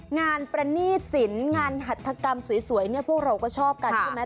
งานปรนิษษินงานหัตถกรรมสวยพวกเราก็ชอบกันใช่ไหม